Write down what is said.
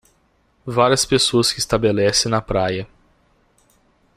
Várias pessoas que estabelece na praia.